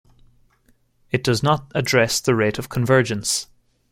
It does not address the rate of convergence.